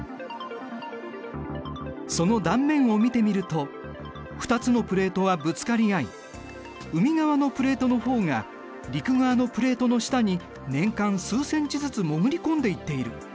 その断面を見てみると２つのプレートはぶつかり合い海側のプレートの方が陸側のプレートの下に年間数ｃｍずつ潜り込んでいっている。